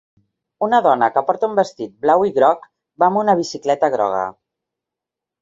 Una dona que porta un vestit blau i groc va amb una bicicleta groga.